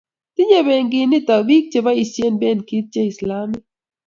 tinyei benkit nito biik che boisien benkit che islamik